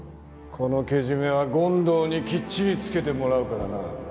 このけじめは権藤にきっちりつけてもらうからな。